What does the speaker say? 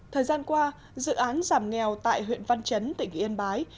thời gian qua dự án giảm nghèo tại huyện văn chấn tỉnh yên bái